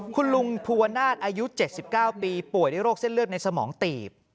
คุณลุงภูวนาศอายุ๗๙ปีป่วยด้วยโรคเส้นเลือดในสมองตีบ